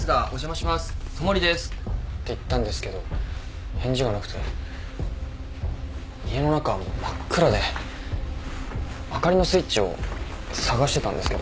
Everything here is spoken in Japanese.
戸守ですって言ったんですけど返事はなくて家の中真っ暗で灯りのスイッチを探してたんですけど。